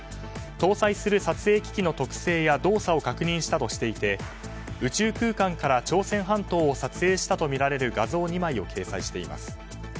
搭載する撮影機器の特性や動作を確認したとしていて宇宙空間から朝鮮半島を撮影したとみられる画像２枚を掲載しています。